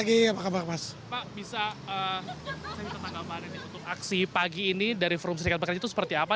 pak bisa saya minta tanggapan ini untuk aksi pagi ini dari forum serikat pekerja itu seperti apa